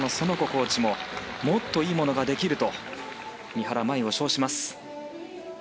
コーチももっといいものができると三原舞依を賞します。